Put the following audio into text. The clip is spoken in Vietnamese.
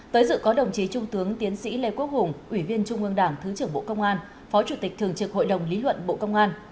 tới dự có đồng chí trung tướng tiến sĩ lê quốc hùng ủy viên trung ương đảng thứ trưởng bộ công an phó chủ tịch thường trực hội đồng lý luận bộ công an